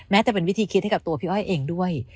จะเป็นวิธีคิดให้กับตัวพี่อ้อยเองด้วย